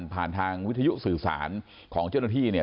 ผ่านทางวิทยุสื่อสารของเจ้าหน้าที่